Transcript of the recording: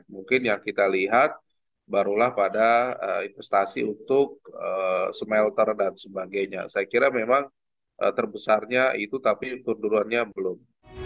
mungkin yang kita lihat barulah pada investasi untuk smelter dan sebagainya saya kira memang terbesarnya itu tapi turunannya belum